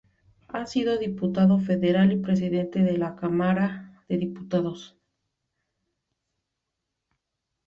Ha sido Diputado Federal y Presidente de la Cámara de Diputados.